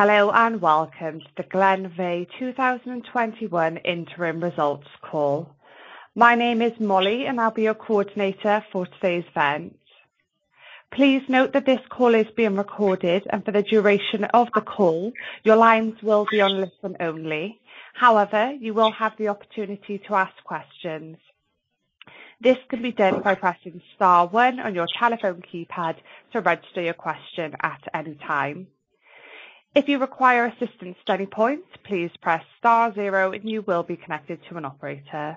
Hello, and welcome to the Glenveagh 2021 interim results call. My name is Molly, and I'll be your coordinator for today's event. Please note that this call is being recorded, and for the duration of the call, your lines will be on listen only. However, you will have the opportunity to ask questions. This can be done by pressing star one on your telephone keypad to register your question at any time. If you require assistance at any point, please press star zero and you will be connected to an operator.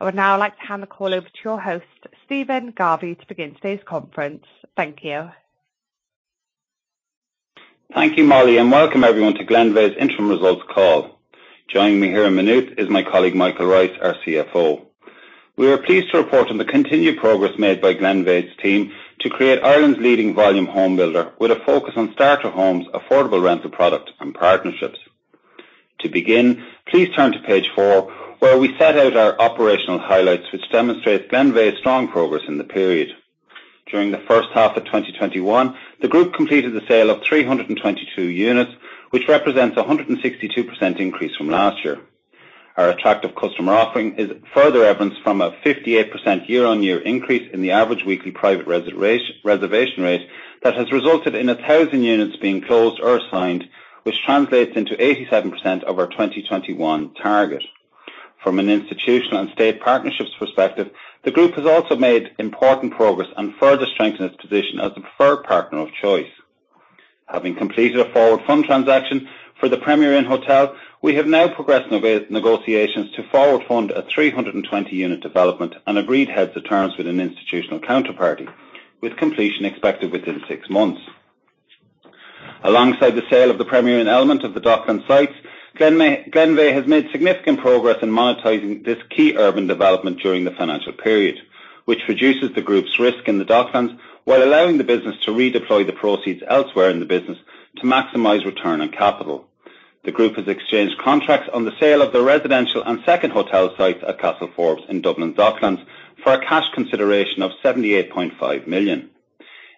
I would now like to hand the call over to your host, Stephen Garvey, to begin today's conference. Thank you. Thank you, Molly, and welcome everyone to Glenveagh's interim results call. Joining me here in Maynooth is my colleague, Michael Rice, our CFO. We are pleased to report on the continued progress made by Glenveagh's team to create Ireland's leading volume home builder with a focus on starter homes, affordable rental product, and partnerships. To begin, please turn to page four, where we set out our operational highlights, which demonstrate Glenveagh's strong progress in the period. During the H1 of 2021, the group completed the sale of 322 units, which represents a 162% increase from last year. Our attractive customer offering is further evidenced from a 58% year-on-year increase in the average weekly private reservation rate that has resulted in 1,000 units being closed or signed, which translates into 87% of our 2021 target. From an institutional and state partnerships perspective, the group has also made important progress and further strengthened its position as the preferred partner of choice. Having completed a forward fund transaction for the Premier Inn hotel, we have now progressed negotiations to forward fund a 320 unit development and agreed heads of terms with an institutional counterparty, with completion expected within six months. Alongside the sale of the Premier Inn element of the Docklands sites, Glenveagh has made significant progress in monetizing this key urban development during the financial period, which reduces the group's risk in the Docklands while allowing the business to redeploy the proceeds elsewhere in the business to maximize return on capital. The group has exchanged contracts on the sale of the residential and second hotel sites at Castleforbes in Dublin Docklands for a cash consideration of 78.5 million.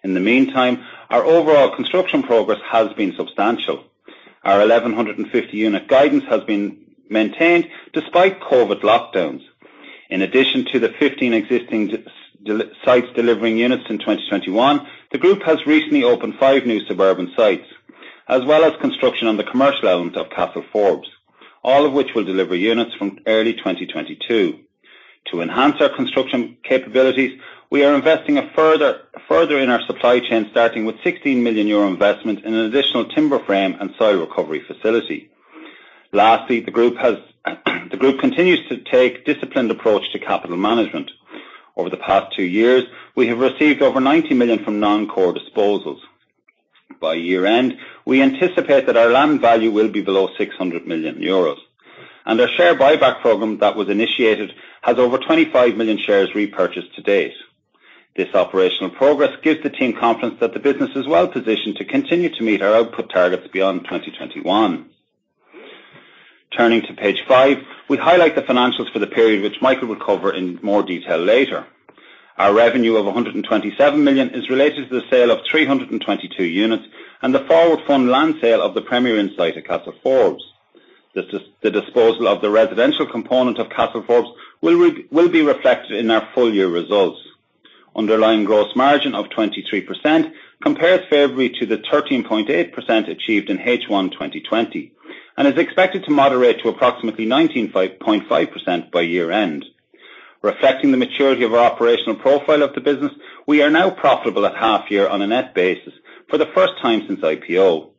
In the meantime, our overall construction progress has been substantial. Our 1,150 unit guidance has been maintained despite COVID lockdowns. In addition to the 15 existing sites delivering units in 2021, the group has recently opened five new suburban sites, as well as construction on the commercial elements of Castleforbes, all of which will deliver units from early 2022. To enhance our construction capabilities, we are investing further in our supply chain, starting with EUR 60 million investment in an additional timber frame and soil recovery facility. Lastly, the group continues to take disciplined approach to capital management. Over the past two years, we have received over 90 million from non-core disposals. By year-end, we anticipate that our land value will be below 600 million euros. Our share buyback program that was initiated has over 25 million shares repurchased to date. This operational progress gives the team confidence that the business is well-positioned to continue to meet our output targets beyond 2021. Turning to page five, we highlight the financials for the period, which Michael Rice will cover in more detail later. Our revenue of 127 million is related to the sale of 322 units and the forward fund land sale of the Premier Inn site at Castleforbes. The disposal of the residential component of Castleforbes will be reflected in our full year results. Underlying gross margin of 23% compares favorably to the 13.8% achieved in H1 2020, and is expected to moderate to approximately 19.5% by year end. Reflecting the maturity of our operational profile of the business, we are now profitable at half year on a net basis for the first time since IPO.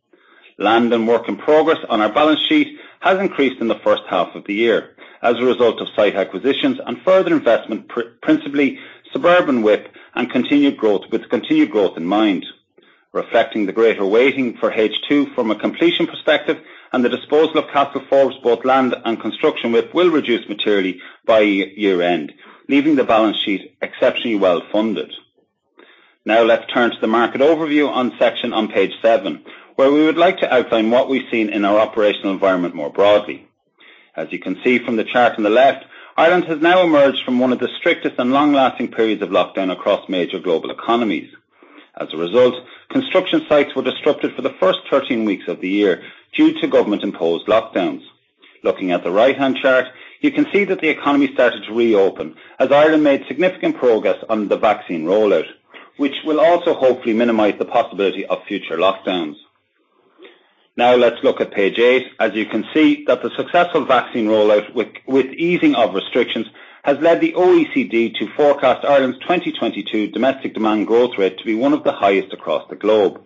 Land and work in progress on our balance sheet has increased in the H1 of the year as a result of site acquisitions and further investment, principally suburban WIP, and with continued growth in mind. Reflecting the greater weighting for H2 from a completion perspective and the disposal of Castleforbes, both land and construction WIP will reduce materially by year end, leaving the balance sheet exceptionally well funded. Now let's turn to the market overview section on page seven, where we would like to outline what we've seen in our operational environment more broadly. As you can see from the chart on the left, Ireland has now emerged from one of the strictest and long-lasting periods of lockdown across major global economies. As a result, construction sites were disrupted for the first 13 weeks of the year due to government-imposed lockdowns. Looking at the right-hand chart, you can see that the economy started to reopen as Ireland made significant progress on the vaccine rollout, which will also hopefully minimize the possibility of future lockdowns. Let's look at page eight. You can see that the successful vaccine rollout with easing of restrictions has led the OECD to forecast Ireland's 2022 domestic demand growth rate to be one of the highest across the globe.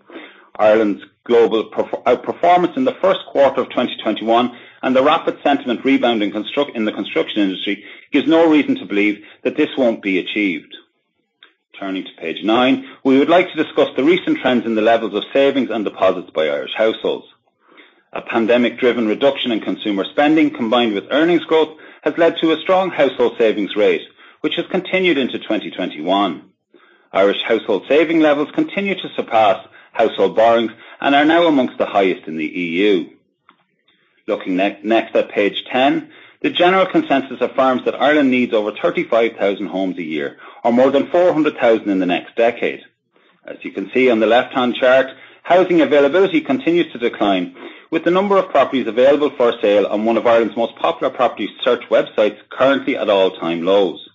Ireland's global outperformance in the Q1 of 2021 and the rapid sentiment rebound in the construction industry gives no reason to believe that this won't be achieved. Turning to page nine, we would like to discuss the recent trends in the levels of savings and deposits by Irish households. A pandemic-driven reduction in consumer spending combined with earnings growth has led to a strong household savings rate, which has continued into 2021. Irish household saving levels continue to surpass household borrowings and are now among the highest in the E.U. Looking next at page 10, the general consensus affirms that Ireland needs over 35,000 homes a year, or more than 400,000 in the next decade. As you can see on the left-hand chart, housing availability continues to decline, with the number of properties available for sale on one of Ireland's most popular property search websites currently at all-time lows.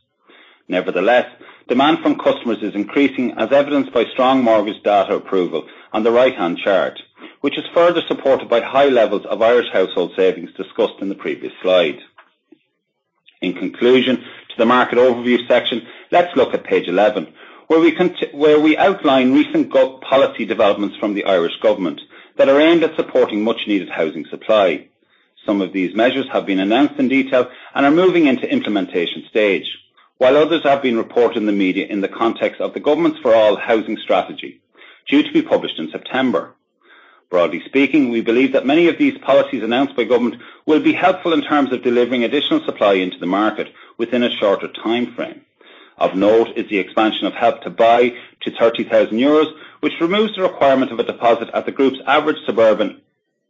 Nevertheless, demand from customers is increasing, as evidenced by strong mortgage data approval on the right-hand chart, which is further supported by high levels of Irish household savings discussed in the previous slide. In conclusion to the market overview section, let's look at page 11, where we outline recent policy developments from the Irish government that are aimed at supporting much needed housing supply. Some of these measures have been announced in detail and are moving into implementation stage, while others have been reported in the media in the context of the government's Housing for All strategy, due to be published in September. Broadly speaking, we believe that many of these policies announced by government will be helpful in terms of delivering additional supply into the market within a shorter timeframe. Of note is the expansion of Help to Buy to 30,000 euros, which removes the requirement of a deposit at the group's average suburban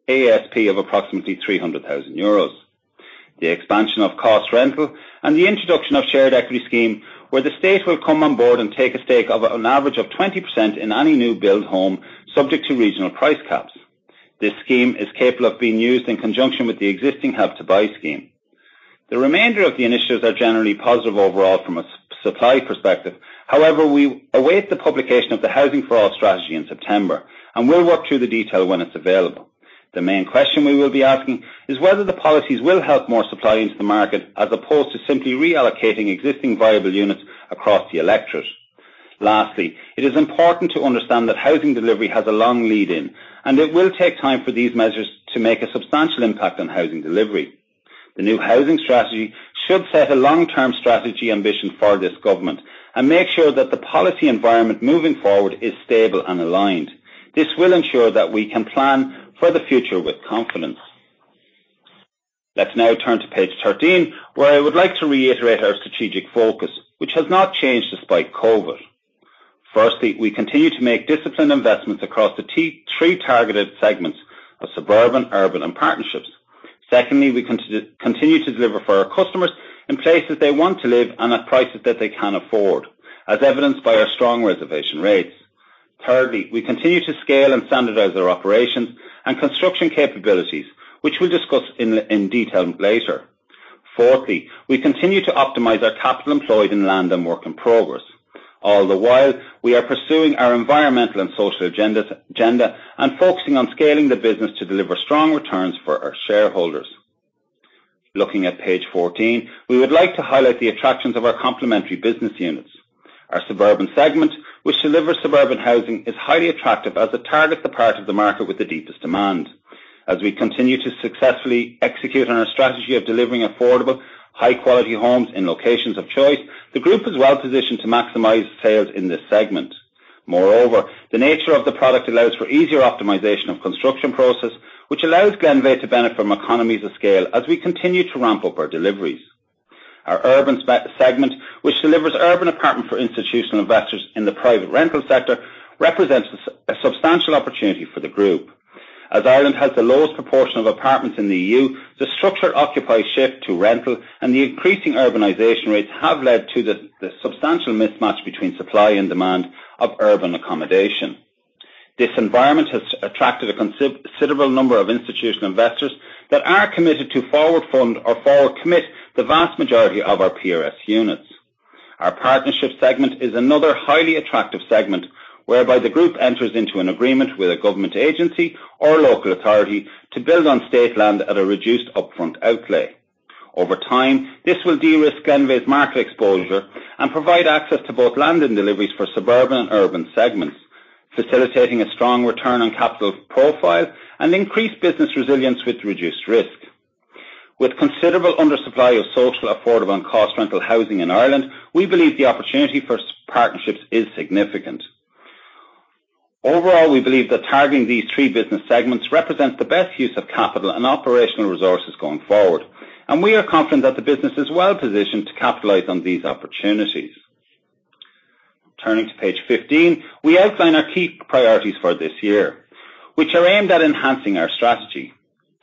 ASP of approximately 300,000 euros. The expansion of Cost Rental and the introduction of shared equity scheme, where the state will come on board and take a stake of an average of 20% in any new build home subject to regional price caps. This scheme is capable of being used in conjunction with the existing Help to Buy scheme. The remainder of the initiatives are generally positive overall from a supply perspective. However, we await the publication of the Housing for All strategy in September, and we'll work through the detail when it's available. The main question we will be asking is whether the policies will help more supply into the market, as opposed to simply reallocating existing viable units across the electorate. Lastly, it is important to understand that housing delivery has a long lead in, and it will take time for these measures to make a substantial impact on housing delivery. The new housing strategy should set a long-term strategy ambition for this government, and make sure that the policy environment moving forward is stable and aligned. This will ensure that we can plan for the future with confidence. Let's now turn to page 13, where I would like to reiterate our strategic focus, which has not changed despite COVID. Firstly, we continue to make disciplined investments across the THREE targeted segments of suburban, urban, and partnerships. Secondly, we continue to deliver for our customers in places they want to live and at prices that they can afford, as evidenced by our strong reservation rates. Thirdly, we continue to scale and standardize our operations and construction capabilities, which we'll discuss in detail later. Fourthly, we continue to optimize our capital employed in land and work in progress. All the while, we are pursuing our environmental and social agenda and focusing on scaling the business to deliver strong returns for our shareholders. Looking at page 14, we would like to highlight the attractions of our complementary business units. Our suburban segment, which delivers suburban housing, is highly attractive as it targets the part of the market with the deepest demand. As we continue to successfully execute on our strategy of delivering affordable, high quality homes in locations of choice, the group is well positioned to maximize sales in this segment. Moreover, the nature of the product allows for easier optimization of construction process, which allows Glenveagh to benefit from economies of scale as we continue to ramp up our deliveries. Our urban segment, which delivers urban apartments for institutional investors in the private rental sector, represents a substantial opportunity for the group. As Ireland has the lowest proportion of apartments in the E.U., the structural occupied shift to rental and the increasing urbanization rates have led to the substantial mismatch between supply and demand of urban accommodation. This environment has attracted a considerable number of institutional investors that are committed to forward commit the vast majority of our PRS units. Our partnership segment is another highly attractive segment whereby the group enters into an agreement with a government agency or local authority to build on state land at a reduced upfront outlay. Over time, this will de-risk Glenveagh's market exposure and provide access to both land and deliveries for suburban and urban segments, facilitating a strong return on capital profile and increased business resilience with reduced risk. With considerable undersupply of social affordable and Cost Rental housing in Ireland, we believe the opportunity for partnerships is significant. Overall, we believe that targeting these three business segments represents the best use of capital and operational resources going forward, and we are confident that the business is well positioned to capitalize on these opportunities. Turning to page 15, we outline our key priorities for this year, which are aimed at enhancing our strategy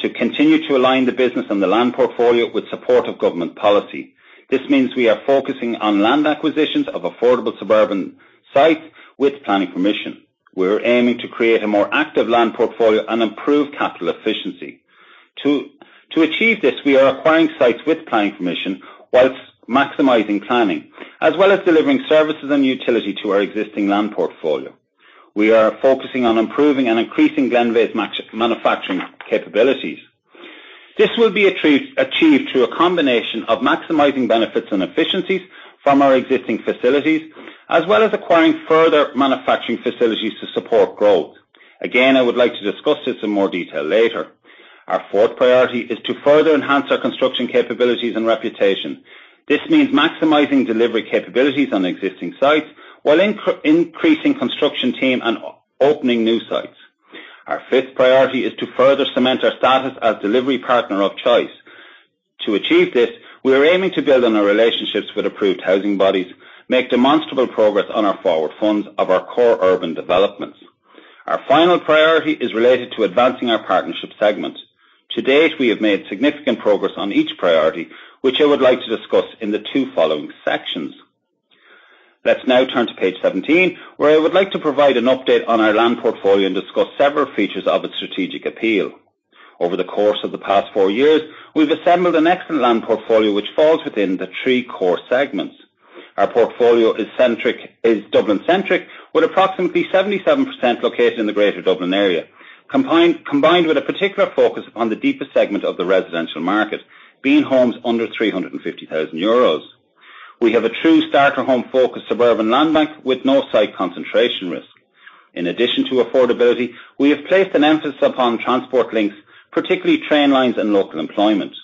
to continue to align the business and the land portfolio with support of government policy. This means we are focusing on land acquisitions of affordable suburban sites with planning permission. We're aiming to create a more active land portfolio and improve capital efficiency. To achieve this, we are acquiring sites with planning permission whilst maximizing planning, as well as delivering services and utility to our existing land portfolio. We are focusing on improving and increasing Glenveagh's manufacturing capabilities. This will be achieved through a combination of maximizing benefits and efficiencies from our existing facilities, as well as acquiring further manufacturing facilities to support growth. Again, I would like to discuss this in more detail later. Our fourth priority is to further enhance our construction capabilities and reputation. This means maximizing delivery capabilities on existing sites while increasing construction team and opening new sites. Our fifth priority is to further cement our status as delivery partner of choice. To achieve this, we are aiming to build on our relationships with approved housing bodies, make demonstrable progress on our forward funds of our core urban developments. Our final priority is related to advancing our partnership segment. To date, we have made significant progress on each priority, which I would like to discuss in the two following sections. Let's now turn to page 17, where I would like to provide an update on our land portfolio and discuss several features of its strategic appeal. Over the course of the past four years, we've assembled an excellent land portfolio, which falls within the three core segments. Our portfolio is Dublin-centric, with approximately 77% located in the Greater Dublin Area, combined with a particular focus on the deeper segment of the residential market, being homes under EUR 350,000. We have a true starter home-focused suburban land bank with no site concentration risk. In addition to affordability, we have placed an emphasis upon transport links, particularly train lines and local employment.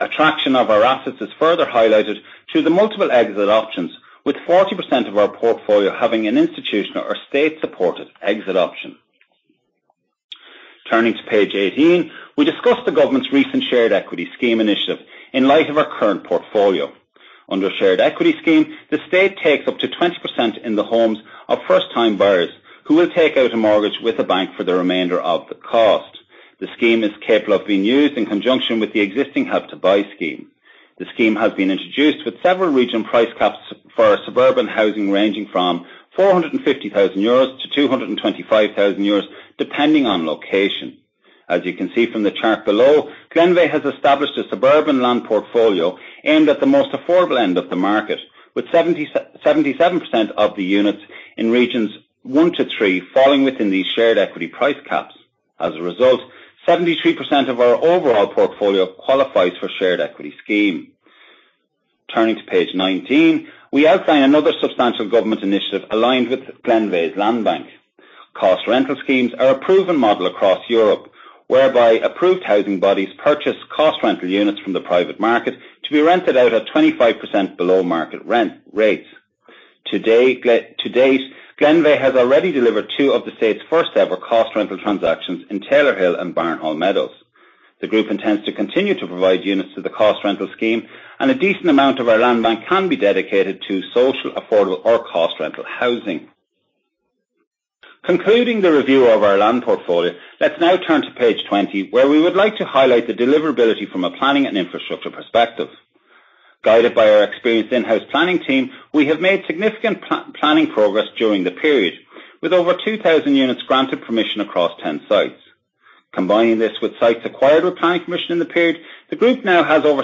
Attraction of our assets is further highlighted to the multiple exit options, with 40% of our portfolio having an institutional or state-supported exit option. Turning to page 18, we discuss the government's recent shared equity scheme initiative in light of our current portfolio. Under shared equity scheme, the state takes up to 20% in the homes of first-time buyers who will take out a mortgage with a bank for the remainder of the cost. The scheme is capable of being used in conjunction with the existing Help to Buy scheme. The scheme has been introduced with several region price caps for suburban housing, ranging from 450,000-225,000 euros, depending on location. As you can see from the chart below, Glenveagh has established a suburban land portfolio aimed at the most affordable end of the market, with 77% of the units in regions 1-3 falling within these shared equity price caps. As a result, 73% of our overall portfolio qualifies for shared equity scheme. Turning to page 19, we outline another substantial government initiative aligned with Glenveagh's land bank. Cost Rental schemes are a proven model across Europe, whereby approved housing bodies purchase Cost Rental units from the private market to be rented out at 25% below market rent rates. To date, Glenveagh has already delivered two of the state's first ever Cost Rental transactions in Taylor Hill and Barnhall Meadows. The group intends to continue to provide units to the Cost Rental scheme, and a decent amount of our land bank can be dedicated to social, affordable, or Cost Rental housing. Concluding the review of our land portfolio, let's now turn to page 20, where we would like to highlight the deliverability from a planning and infrastructure perspective. Guided by our experienced in-house planning team, we have made significant planning progress during the period, with over 2,000 units granted permission across 10 sites. Combining this with sites acquired with planning permission in the period, the group now has over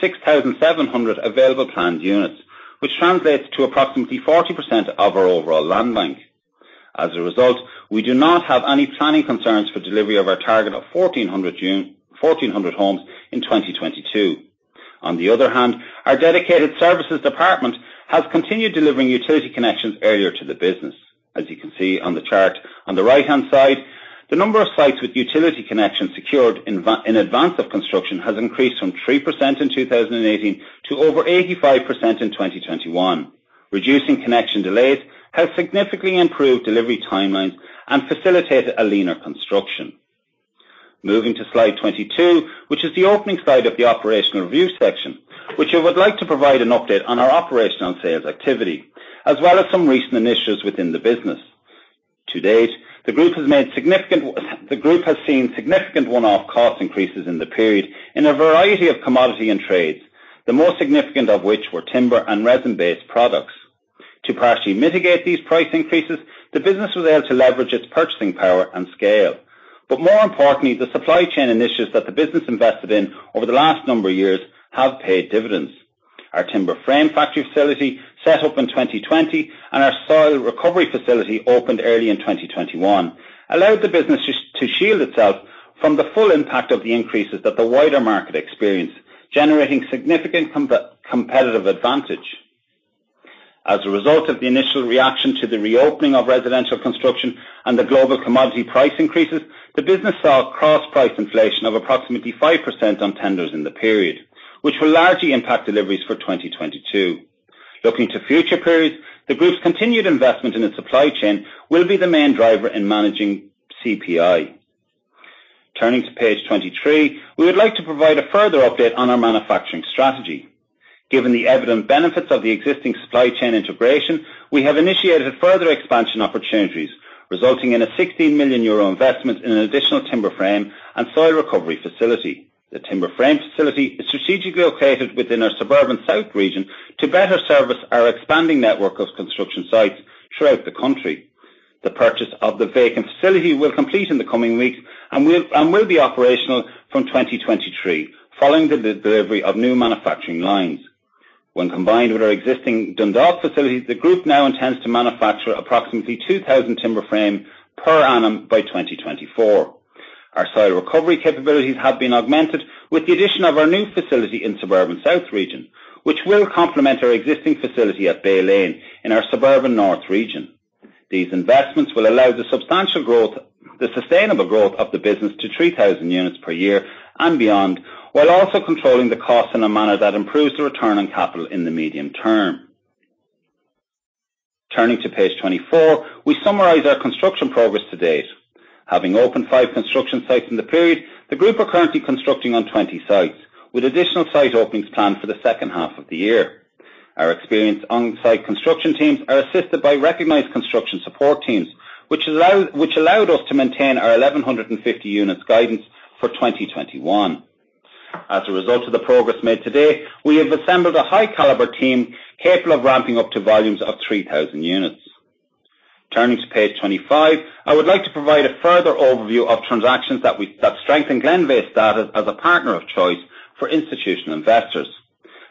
6,700 available planned units, which translates to approximately 40% of our overall land bank. As a result, we do not have any planning concerns for delivery of our target of 1,400 homes in 2022. On the other hand, our dedicated services department has continued delivering utility connections earlier to the business. As you can see on the chart on the right-hand side, the number of sites with utility connections secured in advance of construction has increased from 3% in 2018 to over 85% in 2021. Reducing connection delays has significantly improved delivery timelines and facilitated a leaner construction. Moving to slide 22, which is the opening slide of the operational review section, which I would like to provide an update on our operational and sales activity, as well as some recent initiatives within the business. To date, the group has seen significant one-off cost increases in the period in a variety of commodity and trades, the most significant of which were timber and resin-based products. To partially mitigate these price increases, the business was able to leverage its purchasing power and scale. More importantly, the supply chain initiatives that the business invested in over the last number of years have paid dividends. Our timber frame factory facility, set up in 2020, and our soil recovery facility opened early in 2021, allowed the business to shield itself from the full impact of the increases that the wider market experienced, generating significant competitive advantage. As a result of the initial reaction to the reopening of residential construction and the global commodity price increases, the business saw cross-price inflation of approximately 5% on tenders in the period, which will largely impact deliveries for 2022. Looking to future periods, the group's continued investment in its supply chain will be the main driver in managing CPI. Turning to page 23, we would like to provide a further update on our manufacturing strategy. Given the evident benefits of the existing supply chain integration, we have initiated further expansion opportunities, resulting in a EUR 16 million investment in an additional timber frame and soil recovery facility. The timber frame facility is strategically located within our suburban south region to better service our expanding network of construction sites throughout the country. The purchase of the vacant facility will complete in the coming weeks and will be operational from 2023, following the delivery of new manufacturing lines. When combined with our existing Dundalk facilities, the group now intends to manufacture approximately 2,000 timber frame per annum by 2024. Our soil recovery capabilities have been augmented with the addition of our new facility in suburban south region, which will complement our existing facility at Bay Lane in our suburban north region. These investments will allow the sustainable growth of the business to 3,000 units per year and beyond, while also controlling the cost in a manner that improves the return on capital in the medium term. Turning to page 24, we summarize our construction progress to date. Having opened five construction sites in the period, the group are currently constructing on 20 sites, with additional site openings planned for the H2 of the year. Our experienced onsite construction teams are assisted by recognized construction support teams, which allowed us to maintain our 1,150 units guidance for 2021. As a result of the progress made today, we have assembled a high caliber team capable of ramping up to volumes of 3,000 units. Turning to page 25, I would like to provide a further overview of transactions that strengthen Glenveagh's status as a partner of choice for institutional investors.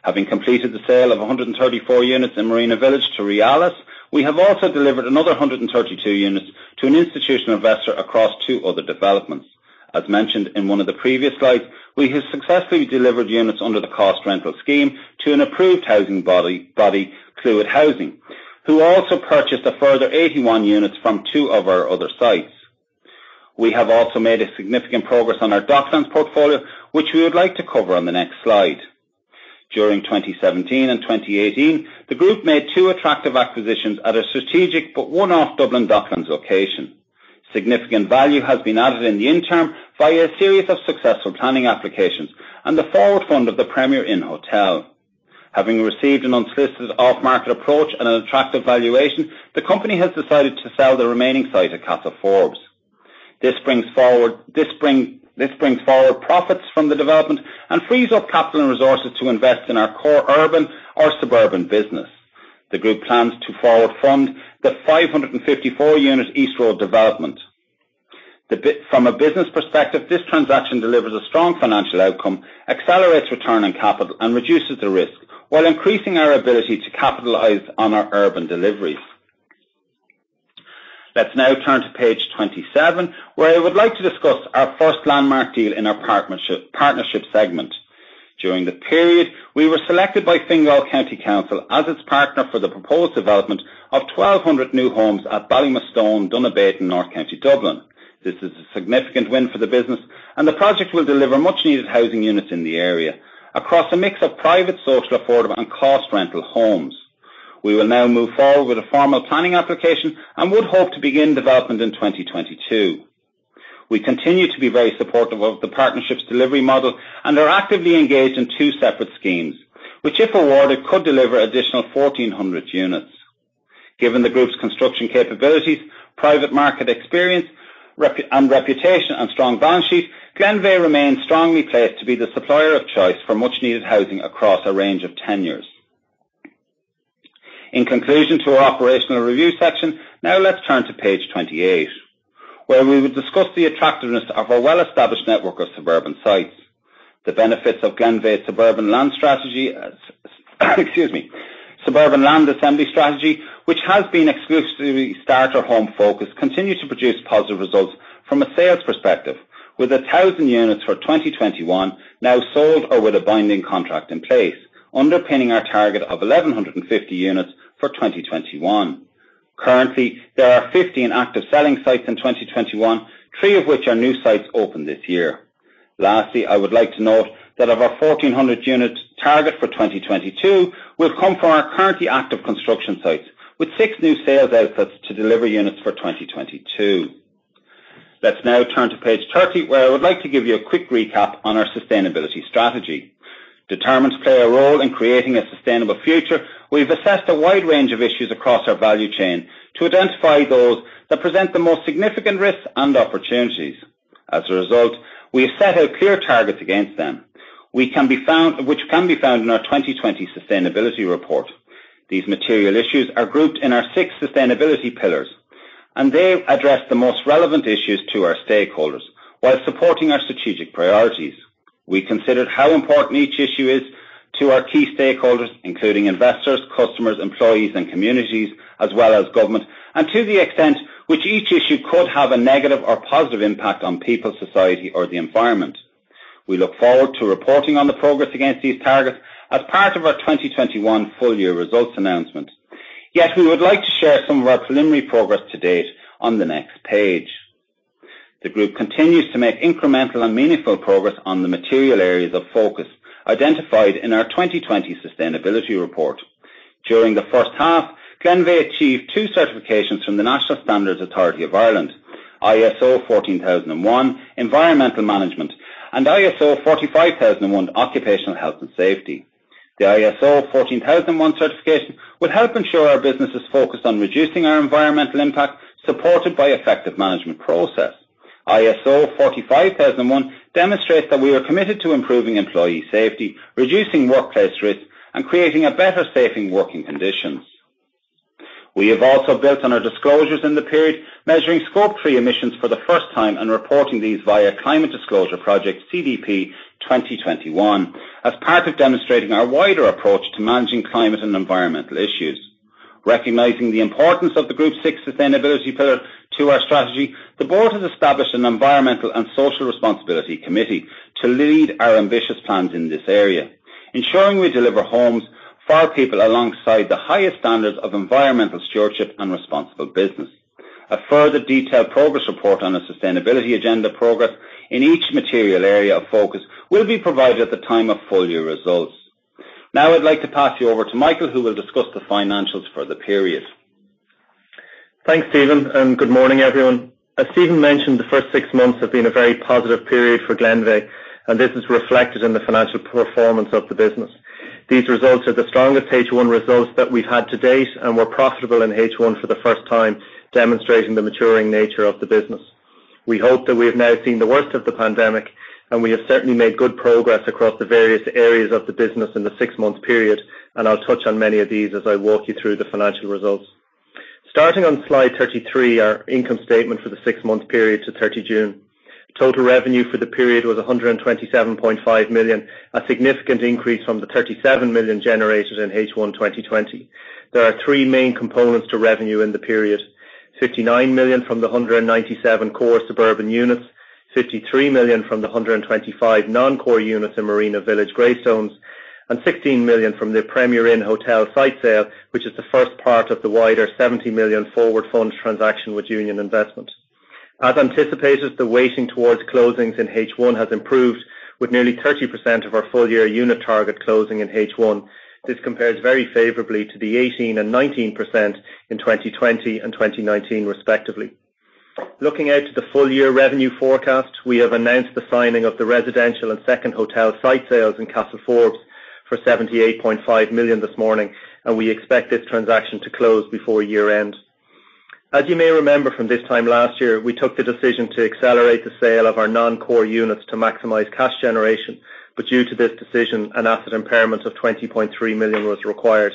Having completed the sale of 134 units in Marina Village to Real I.S., we have also delivered another 132 units to an institutional investor across two other developments. As mentioned in one of the previous slides, we have successfully delivered units under the Cost Rental scheme to an approved housing body, Clúid Housing, who also purchased a further 81 units from two of our other sites. We have also made a significant progress on our Docklands portfolio, which we would like to cover on the next slide. During 2017 and 2018, the group made two attractive acquisitions at a strategic but one-off Dublin Docklands location. Significant value has been added in the interim via a series of successful planning applications and the forward fund of the Premier Inn Hotel. Having received an unsolicited off-market approach and an attractive valuation, the company has decided to sell the remaining site at Castleforbes. This brings forward profits from the development and frees up capital and resources to invest in our core urban or suburban business. The group plans to forward fund the 554 units East Road development. From a business perspective, this transaction delivers a strong financial outcome, accelerates return on capital, and reduces the risk while increasing our ability to capitalize on our urban deliveries. Let's now turn to page 27, where I would like to discuss our first landmark deal in our partnership segment. During the period, we were selected by Fingal County Council as its partner for the proposed development of 1,200 new homes at Ballymastone, Donabate in North County Dublin. This is a significant win for the business. The project will deliver much needed housing units in the area across a mix of private, social, affordable, and Cost Rental homes. We will now move forward with a formal planning application and would hope to begin development in 2022. We continue to be very supportive of the partnerships delivery model and are actively engaged in two separate schemes, which, if awarded, could deliver additional 1,400 units. Given the group's construction capabilities, private market experience, and reputation and strong balance sheet, Glenveagh remains strongly placed to be the supplier of choice for much needed housing across a range of tenures. In conclusion to our operational review section, let's turn to page 28, where we will discuss the attractiveness of our well-established network of suburban sites. The benefits of Glenveagh's suburban land assembly strategy, which has been exclusively starter home focus, continue to produce positive results from a sales perspective, with 1,000 units for 2021 now sold or with a binding contract in place, underpinning our target of 1,150 units for 2021. Currently, there are 15 active selling sites in 2021, three of which are new sites opened this year. Lastly, I would like to note that of our 1,400 units target for 2022, we've come from our currently active construction sites with six new sales outputs to deliver units for 2022. Let's turn to page 30, where I would like to give you a quick recap on our sustainability strategy. Determined to play a role in creating a sustainable future, we've assessed a wide range of issues across our value chain to identify those that present the most significant risks and opportunities. As a result, we have set out clear targets against them, which can be found in our 2020 sustainability report. These material issues are grouped in our six sustainability pillars, and they address the most relevant issues to our stakeholders while supporting our strategic priorities. We considered how important each issue is to our key stakeholders, including investors, customers, employees, and communities, as well as government, and to the extent which each issue could have a negative or positive impact on people, society, or the environment. We look forward to reporting on the progress against these targets as part of our 2021 full year results announcement. We would like to share some of our preliminary progress to date on the next page. The group continues to make incremental and meaningful progress on the material areas of focus identified in our 2020 sustainability report. During the H1, Glenveagh achieved two certifications from the National Standards Authority of Ireland, ISO 14001 Environmental Management and ISO 45001 Occupational Health and Safety. The ISO 14001 certification will help ensure our business is focused on reducing our environmental impact, supported by effective management process. ISO 45001 demonstrates that we are committed to improving employee safety, reducing workplace risks, and creating a better safe and working conditions. We have also built on our disclosures in the period, measuring scope three emissions for the first time and reporting these via Carbon Disclosure Project CDP 2021, as part of demonstrating our wider approach to managing climate and environmental issues. Recognizing the importance of the group's sixth sustainability pillar to our strategy, the board has established an Environmental and Social Responsibility Committee to lead our ambitious plans in this area, ensuring we deliver homes for our people alongside the highest standards of environmental stewardship and responsible business. A further detailed progress report on our sustainability agenda progress in each material area of focus will be provided at the time of full year results. Now I'd like to pass you over to Michael, who will discuss the financials for the period. Thanks, Stephen, and good morning, everyone. As Stephen mentioned, the first six months have been a very positive period for Glenveagh, and this is reflected in the financial performance of the business. These results are the strongest H1 results that we've had to date, and we're profitable in H1 for the first time, demonstrating the maturing nature of the business. We hope that we have now seen the worst of the pandemic, and we have certainly made good progress across the various areas of the business in the six-month period, and I'll touch on many of these as I walk you through the financial results. Starting on slide 33, our income statement for the six-month period to 30 June. Total revenue for the period was 127.5 million, a significant increase from the 37 million generated in H1 2020. There are three main components to revenue in the period. 59 million from the 197 core suburban units, 53 million from the 125 non-core units in Marina Village, Greystones, and 16 million from the Premier Inn hotel site sale, which is the first part of the wider 70 million forward fund transaction with Union Investment. As anticipated, the weighting towards closings in H1 has improved, with nearly 30% of our full year unit target closing in H1. This compares very favorably to the 18% and 19% in 2020 and 2019, respectively. Looking out to the full year revenue forecast, we have announced the signing of the residential and second hotel site sales in Castleforbes for 78.5 million this morning. We expect this transaction to close before year-end. As you may remember from this time last year, we took the decision to accelerate the sale of our non-core units to maximize cash generation. Due to this decision, an asset impairment of 20.3 million was required.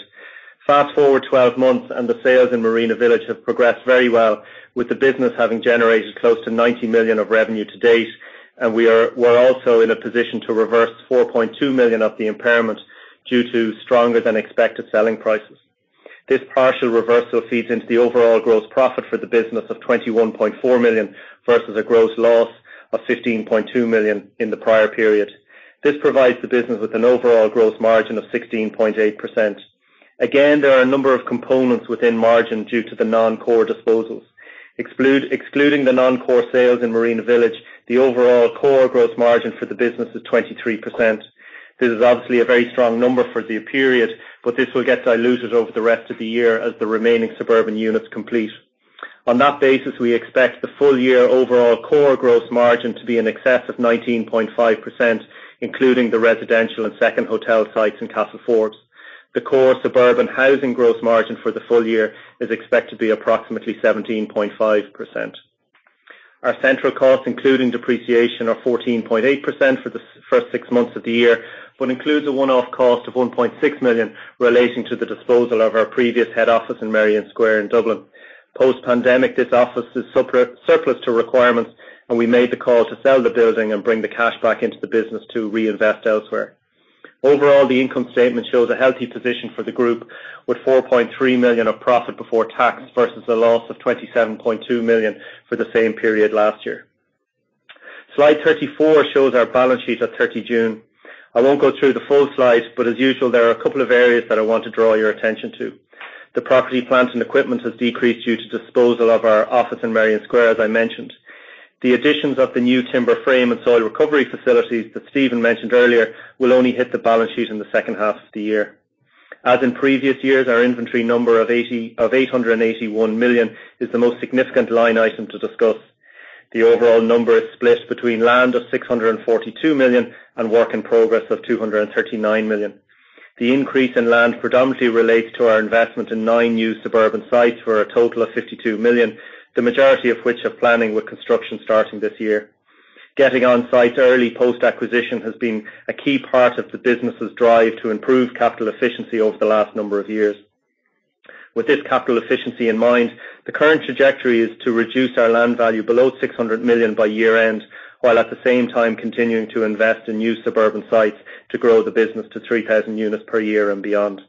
Fast-forward 12 months, the sales in Marina Village have progressed very well with the business having generated close to 90 million of revenue to date. We're also in a position to reverse 4.2 million of the impairment due to stronger than expected selling prices. This partial reversal feeds into the overall gross profit for the business of 21.4 million versus a gross loss of 15.2 million in the prior period. This provides the business with an overall gross margin of 16.8%. There are a number of components within margin due to the non-core disposals. Excluding the non-core sales in Marina Village, the overall core gross margin for the business is 23%. This is obviously a very strong number for the period, but this will get diluted over the rest of the year as the remaining suburban units complete. On that basis, we expect the full year overall core gross margin to be in excess of 19.5%, including the residential and second hotel sites in Castleforbes. The core suburban housing gross margin for the full year is expected to be approximately 17.5%. Our central costs, including depreciation, are 14.8% for the first six months of the year, but includes a one-off cost of 1.6 million relating to the disposal of our previous head office in Merrion Square in Dublin. Post-pandemic, this office is surplus to requirements, and we made the call to sell the building and bring the cash back into the business to reinvest elsewhere. Overall, the income statement shows a healthy position for the group, with 4.3 million of profit before tax versus a loss of 27.2 million for the same period last year. Slide 34 shows our balance sheet at 30 June. I won't go through the full slide, but as usual, there are a couple of areas that I want to draw your attention to. The property plant and equipment has decreased due to disposal of our office in Merrion Square, as I mentioned. The additions of the new timber frame and soil recovery facilities that Stephen mentioned earlier will only hit the balance sheet in the H2 of the year. As in previous years, our inventory number of 881 million is the most significant line item to discuss. The overall number is split between land of 642 million and work in progress of 239 million. The increase in land predominantly relates to our investment in nine new suburban sites for a total of 52 million, the majority of which are planning with construction starting this year. Getting on site early post-acquisition has been a key part of the business's drive to improve capital efficiency over the last number of years. With this capital efficiency in mind, the current trajectory is to reduce our land value below 600 million by year-end, while at the same time continuing to invest in new suburban sites to grow the business to 3,000 units per year and beyond.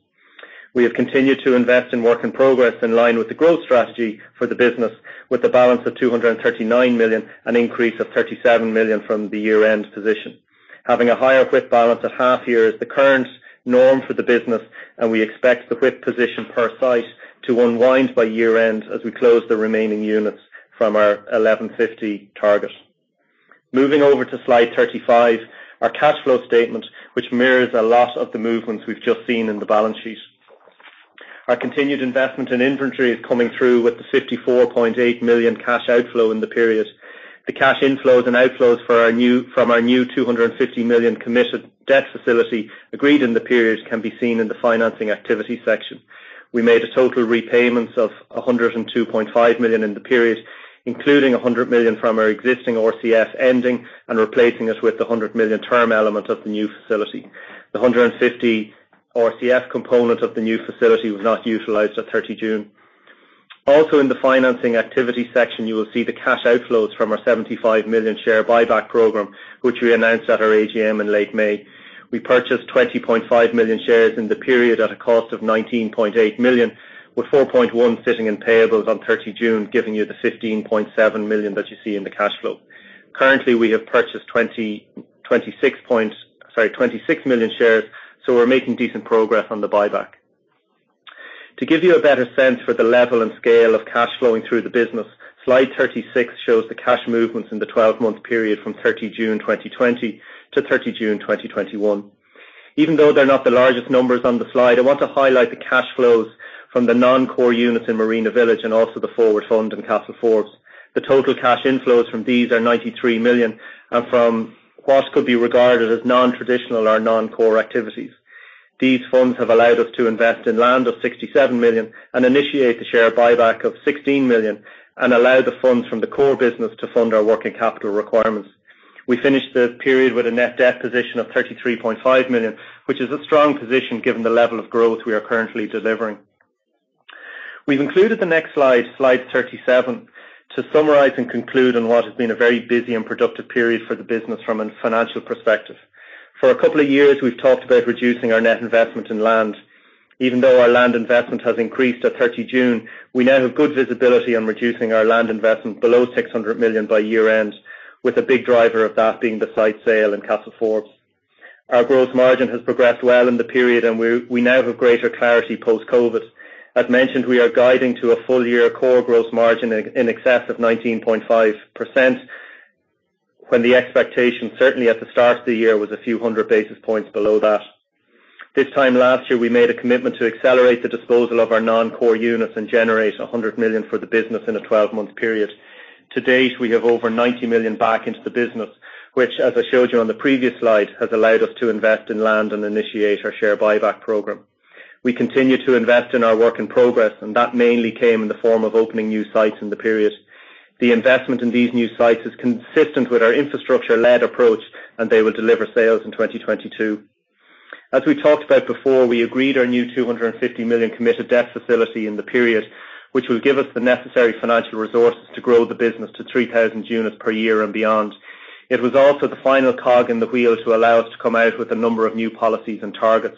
We have continued to invest in work in progress in line with the growth strategy for the business, with a balance of 239 million, an increase of 37 million from the year-end position. Having a higher WIP balance at half year is the current norm for the business, and we expect the WIP position per site to unwind by year-end as we close the remaining units from our 1,150 target. Moving over to slide 35, our cash flow statement, which mirrors a lot of the movements we've just seen in the balance sheet. Our continued investment in inventory is coming through with the 54.8 million cash outflow in the period. The cash inflows and outflows from our new 250 million committed debt facility agreed in the period can be seen in the financing activity section. We made total repayments of 102.5 million in the period, including 100 million from our existing RCF ending and replacing it with the 100 million term element of the new facility. The 150 RCF component of the new facility was not utilized at 30 June. In the financing activity section, you will see the cash outflows from our 75 million share buyback program, which we announced at our AGM in late May. We purchased 20.5 million shares in the period at a cost of 19.8 million, with 4.1 million sitting in payables on 30 June, giving you the 15.7 million that you see in the cash flow. Currently, we have purchased 26 million shares. We're making decent progress on the buyback. To give you a better sense for the level and scale of cash flowing through the business, slide 36 shows the cash movements in the 12-month period from 30 June 2020-30 June 2021. Even though they're not the largest numbers on the slide, I want to highlight the cash flows from the non-core units in Marina Village and also the forward fund in Castleforbes. The total cash inflows from these are 93 million, and from what could be regarded as non-traditional or non-core activities. These funds have allowed us to invest in land of 67 million and initiate the share buyback of 16 million and allow the funds from the core business to fund our working capital requirements. We finished the period with a net debt position of 33.5 million, which is a strong position given the level of growth we are currently delivering. We've included the next slide 37, to summarize and conclude on what has been a very busy and productive period for the business from a financial perspective. For a couple of years, we've talked about reducing our net investment in land. Even though our land investment has increased at 30 June, we now have good visibility on reducing our land investment below 600 million by year-end, with a big driver of that being the site sale in Castleforbes. Our gross margin has progressed well in the period, and we now have greater clarity post-COVID. As mentioned, we are guiding to a full year core gross margin in excess of 19.5%, when the expectation, certainly at the start of the year, was a few hundred basis points below that. This time last year, we made a commitment to accelerate the disposal of our non-core units and generate 100 million for the business in a 12-month period. To date, we have over 90 million back into the business, which, as I showed you on the previous slide, has allowed us to invest in land and initiate our share buyback program. We continue to invest in our work in progress, and that mainly came in the form of opening new sites in the period. The investment in these new sites is consistent with our infrastructure-led approach, and they will deliver sales in 2022. As we talked about before, we agreed our new 250 million committed debt facility in the period, which will give us the necessary financial resources to grow the business to 3,000 units per year and beyond. It was also the final cog in the wheel to allow us to come out with a number of new policies and targets.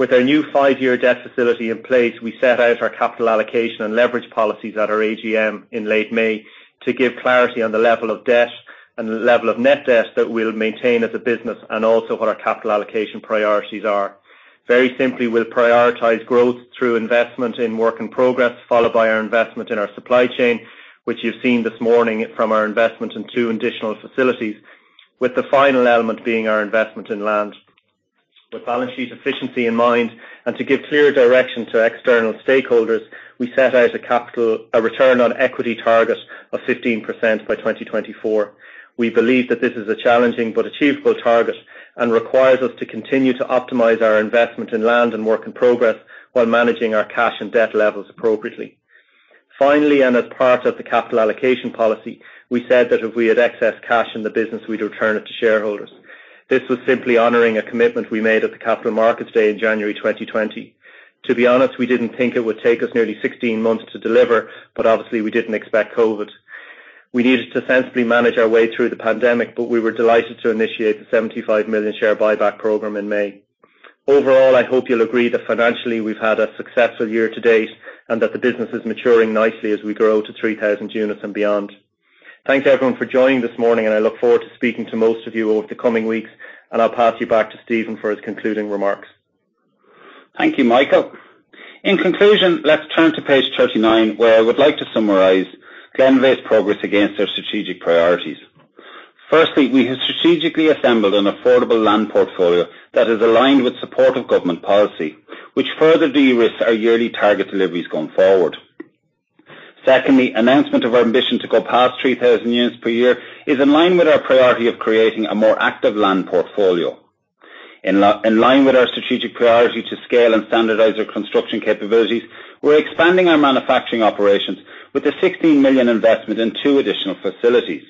With our new five-year debt facility in place, we set out our capital allocation and leverage policies at our AGM in late May to give clarity on the level of debt and the level of net debt that we'll maintain as a business, and also what our capital allocation priorities are. Very simply, we'll prioritize growth through investment in work in progress, followed by our investment in our supply chain, which you've seen this morning from our investment in two additional facilities, with the final element being our investment in land. With balance sheet efficiency in mind and to give clear direction to external stakeholders, we set out a return on equity target of 15% by 2024. We believe that this is a challenging but achievable target and requires us to continue to optimize our investment in land and work in progress while managing our cash and debt levels appropriately. Finally, as part of the capital allocation policy, we said that if we had excess cash in the business, we'd return it to shareholders. This was simply honoring a commitment we made at the Capital Markets Day in January 2020. To be honest, we didn't think it would take us nearly 16 months to deliver, but obviously, we didn't expect COVID. We needed to sensibly manage our way through the pandemic, but we were delighted to initiate the 75 million share buyback program in May. Overall, I hope you'll agree that financially, we've had a successful year to date, and that the business is maturing nicely as we grow to 3,000 units and beyond. Thanks, everyone, for joining this morning, and I look forward to speaking to most of you over the coming weeks. I'll pass you back to Stephen for his concluding remarks. Thank you, Michael. In conclusion, let's turn to page 39, where I would like to summarize Glenveagh's progress against their strategic priorities. Firstly, we have strategically assembled an affordable land portfolio that is aligned with supportive government policy, which further de-risks our yearly target deliveries going forward. Secondly, announcement of our ambition to go past 3,000 units per year is in line with our priority of creating a more active land portfolio. In line with our strategic priority to scale and standardize our construction capabilities, we're expanding our manufacturing operations with a 16 million investment in two additional facilities.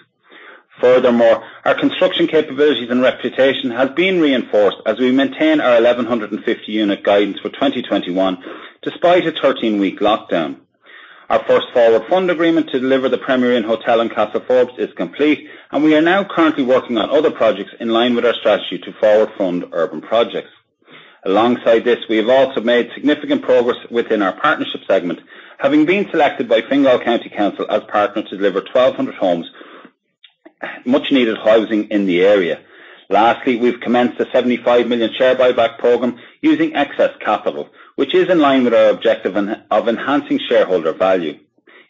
Furthermore, our construction capabilities and reputation have been reinforced as we maintain our 1,150 unit guidance for 2021, despite a 13-week lockdown. Our first forward fund agreement to deliver the Premier Inn hotel in Castleforbes is complete, and we are now currently working on other projects in line with our strategy to forward fund urban projects. Alongside this, we have also made significant progress within our partnership segment, having been selected by Fingal County Council as partners to deliver 1,200 homes, much needed housing in the area. Lastly, we've commenced a 75 million share buyback program using excess capital, which is in line with our objective of enhancing shareholder value.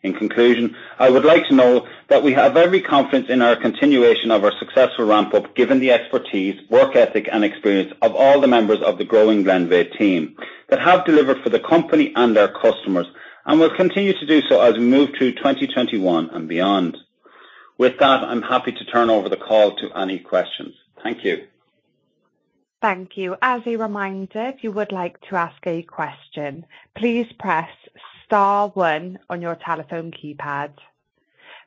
In conclusion, I would like to know that we have every confidence in our continuation of our successful ramp-up, given the expertise, work ethic, and experience of all the members of the growing Glenveagh team that have delivered for the company and their customers, and will continue to do so as we move to 2021 and beyond. With that, I am happy to turn over the call to any questions. Thank you. Thank you. As a reminder, if you would like to ask a question, please press star one on your telephone keypad.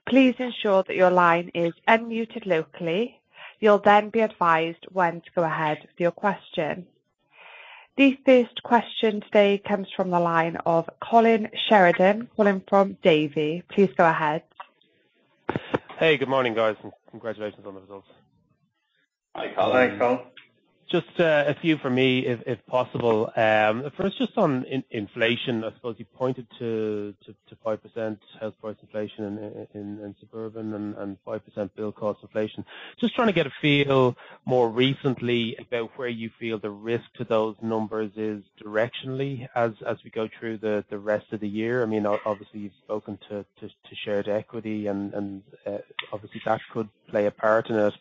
Please ensure that your line is unmuted locally. You'll then be advised when to go ahead with your question. The first question today comes from the line of Colin Sheridan. Colin from Davy, please go ahead. Hey, good morning, guys, and congratulations on the results. Hi, Colin. Hi, Colin. Just a few from me, if possible. First, just on inflation. I suppose you pointed to 5% house price inflation in suburban and 5% build cost inflation. Just trying to get a feel more recently about where you feel the risk to those numbers is directionally as we go through the rest of the year. Obviously, you've spoken to shared equity and obviously that could play a part in it.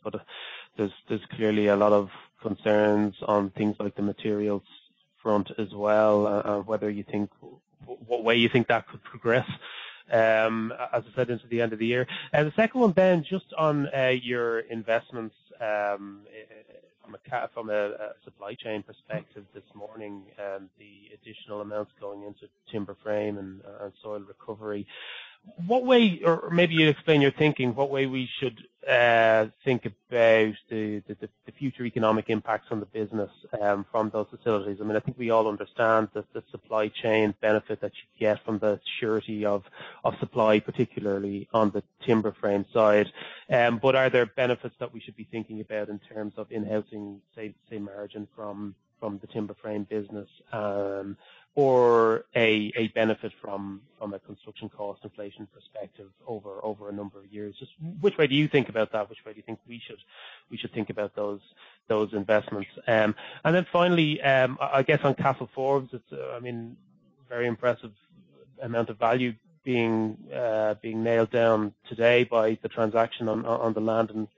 There's clearly a lot of concerns on things like the materials front as well, what way you think that could progress, as I said, into the end of the year. The second one, Ben, just on your investments from a supply chain perspective this morning, the additional amounts going into timber frame and soil recovery. Maybe you explain your thinking, what way we should think about the future economic impacts on the business from those facilities. I think we all understand the supply chain benefit that you get from the surety of supply, particularly on the timber frame side. Are there benefits that we should be thinking about in terms of enhancing, say, margin from the timber frame business or a benefit from a construction cost inflation perspective over a number of years? Just which way do you think about that? Which way do you think we should think about those investments? Finally, I guess on Castleforbes, it's a very impressive amount of value being nailed down today by the transaction on the land in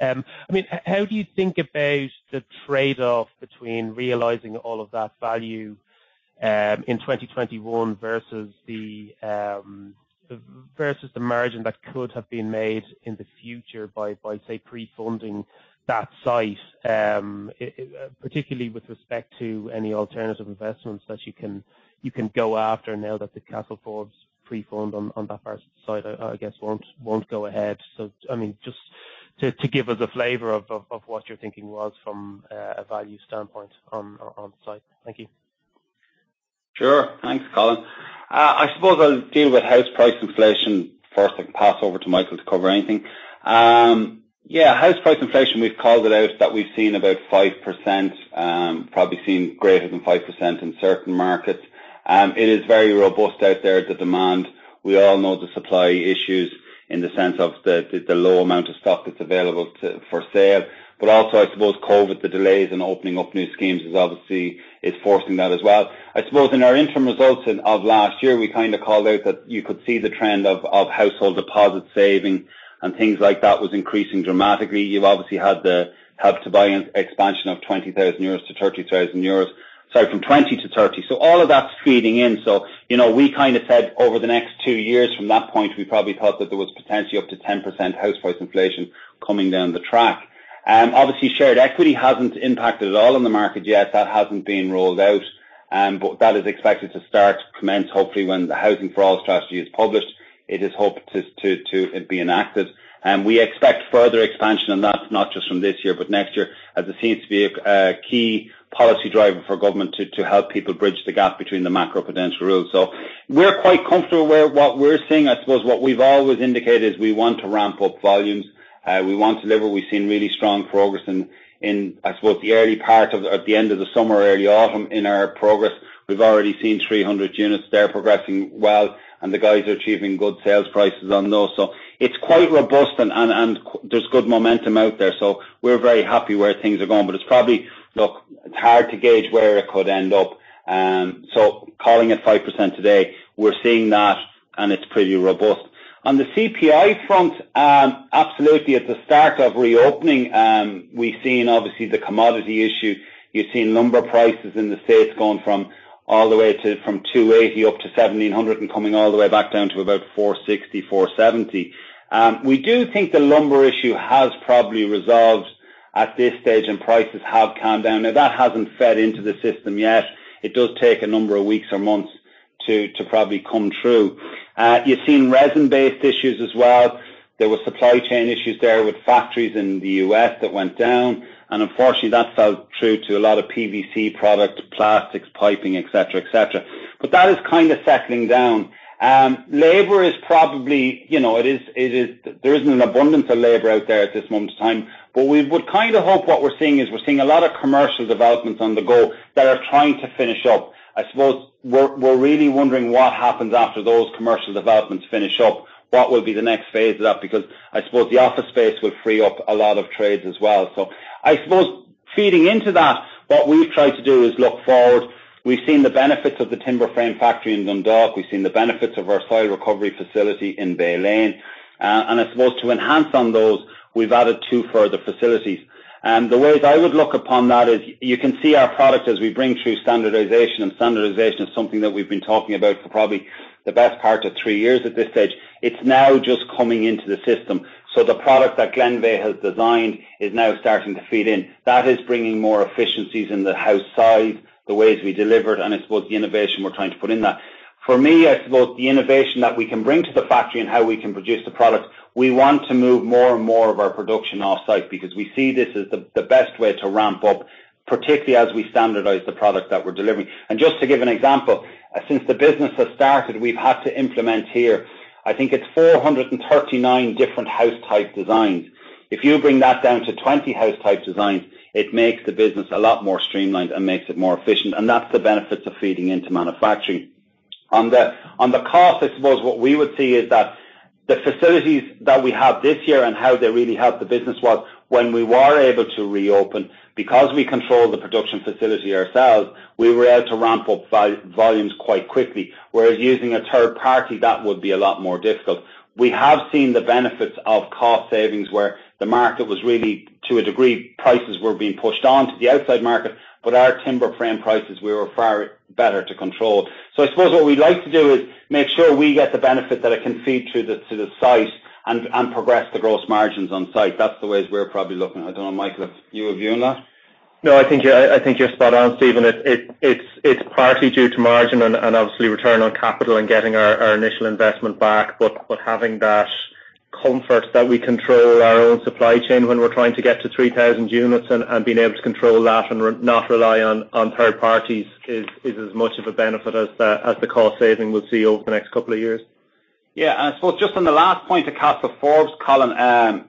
Castleforbes. How do you think about the trade-off between realizing all of that value in 2021 versus the margin that could have been made in the future by, say, pre-funding that site, particularly with respect to any alternative investments that you can go after now that the Castleforbes pre-fund on that first site, I guess, won't go ahead. Just to give us a flavor of what your thinking was from a value standpoint on site. Thank you. Sure. Thanks, Colin. I suppose I'll deal with house price inflation first, then pass over to Michael to cover anything. House price inflation, we've called it out that we've seen about 5%, probably seen greater than 5% in certain markets. It is very robust out there, the demand. We all know the supply issues in the sense of the low amount of stock that's available for sale. Also, I suppose COVID, the delays in opening up new schemes obviously is forcing that as well. I suppose in our interim results of last year, we kind of called out that you could see the trend of household deposit saving and things like that was increasing dramatically. You've obviously had the Help to Buy expansion of 20,000 euros-EUR30,000. Sorry, from 20-30. All of that's feeding in. We kind of said over the next two years from that point, we probably thought that there was potentially up to 10% house price inflation coming down the track. Obviously, shared equity hasn't impacted at all on the market yet. That hasn't been rolled out. That is expected to start, commence hopefully when the Housing for All strategy is published. It is hoped to be enacted. We expect further expansion on that, not just from this year, but next year, as it seems to be a key policy driver for government to help people bridge the gap between the macroprudential rules. We're quite comfortable where what we're seeing, I suppose what we've always indicated is we want to ramp up volumes. We want delivery. We've seen really strong progress in, I suppose, the early part of the end of the summer, early autumn in our progress. We've already seen 300 units there progressing well, the guys are achieving good sales prices on those. It's quite robust and there's good momentum out there. We're very happy where things are going. It's probably hard to gauge where it could end up. Calling it 5% today, we're seeing that and it's pretty robust. On the CPI front, absolutely at the start of reopening, we've seen obviously the commodity issue. You've seen lumber prices in the U.S. going from all the way to from 280 up to 1,700 and coming all the way back down to about 460, 470. We do think the lumber issue has probably resolved at this stage and prices have calmed down. Now, that hasn't fed into the system yet. It does take a number of weeks or months to probably come true. You've seen resin-based issues as well. There were supply chain issues there with factories in the U.S. that went down. Unfortunately, that felt true to a lot of PVC products, plastics, piping, et cetera. That is kind of settling down. There isn't an abundance of labor out there at this moment in time. We would kind of hope what we're seeing is we're seeing a lot of commercial developments on the go that are trying to finish up. I suppose we're really wondering what happens after those commercial developments finish up. What will be the next phase of that? I suppose the office space will free up a lot of trades as well. I suppose feeding into that, what we've tried to do is look forward. We've seen the benefits of the timber frame factory in Dundalk. We've seen the benefits of our soil recovery facility in Bay Lane. I suppose to enhance on those, we've added two further facilities. The ways I would look upon that is you can see our product as we bring through standardization, and standardization is something that we've been talking about for probably the best part of three years at this stage. It's now just coming into the system. The product that Glenveagh has designed is now starting to feed in. That is bringing more efficiencies in the house size, the ways we deliver it, and I suppose the innovation we're trying to put in that. For me, I suppose the innovation that we can bring to the factory and how we can produce the product, we want to move more and more of our production off-site because we see this as the best way to ramp up. Particularly as we standardize the product that we're delivering. Just to give an example, since the business has started, we've had to implement here, I think it's 439 different house type designs. If you bring that down to 20 house type designs, it makes the business a lot more streamlined and makes it more efficient, and that's the benefit to feeding into manufacturing. On the cost, I suppose what we would see is that the facilities that we have this year and how they really help the business was when we were able to reopen, because we control the production facility ourselves, we were able to ramp up volumes quite quickly, whereas using a third party, that would be a lot more difficult. We have seen the benefits of cost savings where the market was really, to a degree, prices were being pushed on to the outside market, but our timber frame prices we were far better to control. I suppose what we'd like to do is make sure we get the benefit that it can feed through to the site and progress the gross margins on site. That's the way we're probably looking. I don't know, Michael, if you are viewing that? No, I think you're spot on, Stephen. It's partly due to margin and obviously return on capital and getting our initial investment back, but having that comfort that we control our own supply chain when we're trying to get to 3,000 units and being able to control that and not rely on third parties is as much of a benefit as the cost saving we'll see over the next couple of years. I suppose just on the last point, the Castleforbes, Colin,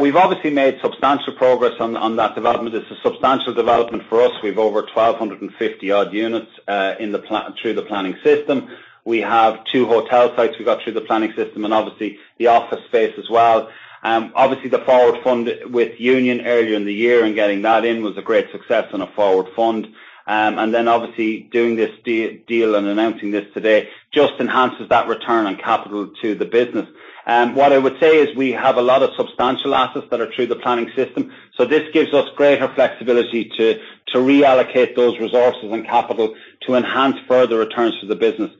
we've obviously made substantial progress on that development. It's a substantial development for us. We've over 1,250 odd units through the planning system. We have two hotel sites we got through the planning system, and obviously the office space as well. Obviously, the forward fund with Union earlier in the year and getting that in was a great success on a forward fund. Obviously doing this deal and announcing this today just enhances that return on capital to the business. What I would say is we have a lot of substantial assets that are through the planning system. This gives us greater flexibility to reallocate those resources and capital to enhance further returns to the business.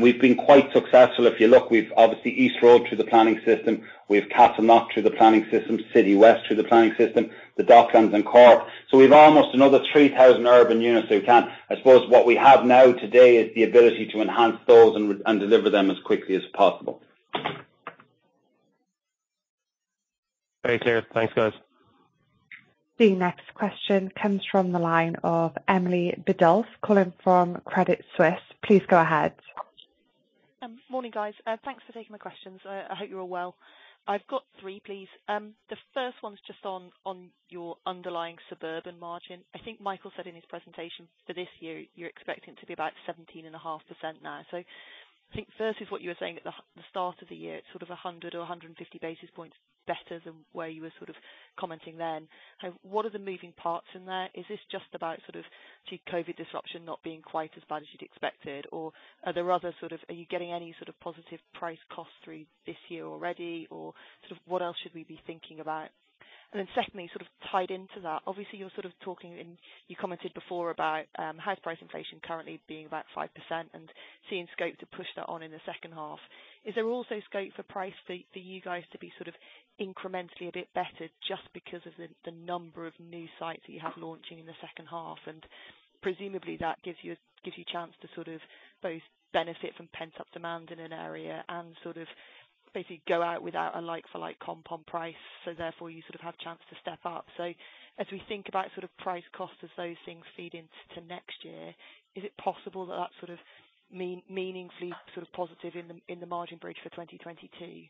We've been quite successful. If you look, we've obviously East Road through the planning system. We have Castleknock through the planning system, Citywest through the planning system, the Docklands and Cork. We've almost another 3,000 urban units. I suppose what we have now today is the ability to enhance those and deliver them as quickly as possible. Very clear. Thanks, guys. The next question comes from the line of Emily Biddulph calling from Credit Suisse. Please go ahead. Morning, guys. Thanks for taking my questions. I hope you're all well. I've got three, please. The first one is just on your underlying suburban margin. I think Michael said in his presentation for this year, you're expecting it to be about 17.5% now. I think versus what you were saying at the start of the year, it's sort of 100 or 150 basis points better than where you were sort of commenting then. What are the moving parts in there? Is this just about sort of COVID disruption not being quite as bad as you'd expected? Are there other sort of, are you getting any sort of positive price cost through this year already? Sort of what else should we be thinking about? Secondly, sort of tied into that, obviously you're sort of talking and you commented before about house price inflation currently being about 5% and seeing scope to push that on in the second half. Is there also scope for price for you guys to be sort of incrementally a bit better just because of the number of new sites that you have launching in the H2? Presumably, that gives you a chance to sort of both benefit from pent-up demand in an area and sort of basically go out without a like for like compound price, so therefore you sort of have chance to step up. As we think about sort of price cost as those things feed into next year, is it possible that sort of meaningfully sort of positive in the margin bridge for 2022?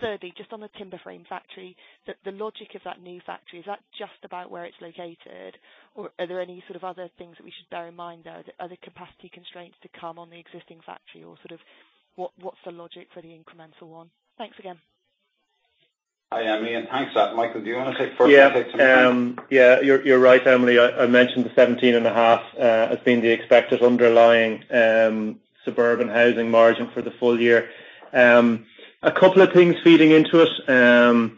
Thirdly, just on the timber frame factory, the logic of that new factory, is that just about where it's located or are there any sort of other things that we should bear in mind there? Are there capacity constraints to come on the existing factory or sort of what's the logic for the incremental one? Thanks again. Hi, Emily, and thanks. Michael, do you want to take the first and I take the second? Yeah. You're right, Emily. I mentioned the 17.5% as being the expected underlying suburban housing margin for the full year. A couple of things feeding into it.